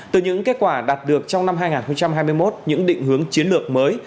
từ những kết quả đạt được trong năm hai nghìn hai mươi một những định hướng chiến lược mới